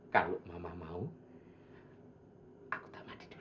kalau mama mau aku tamat tidur